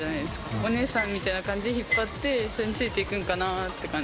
お姉さんみたいな感じで引っ張って、それについていくのかなって感じ。